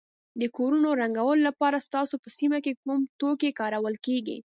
د کورونو رنګولو لپاره ستاسو په سیمه کې کوم توکي کارول کیږي.